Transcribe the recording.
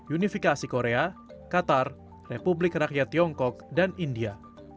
unifikasi korea qatar republik rakyat tiongkok dan india